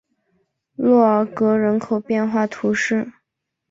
洛尔格人口变化图示